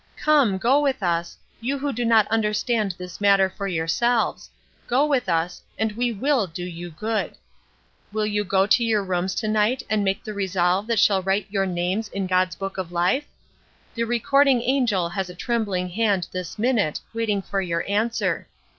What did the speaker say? Come, go with us, you who do not understand this matter for yourselves, go with us, and we will do you good. Will you go to your rooms to night and make the resolve that shall write your names in God's book of life? The recording angel has a trembling hand this minute, waiting for your answer.